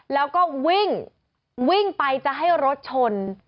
แล้วก็วิ่งวิ่งไปจะให้รถชน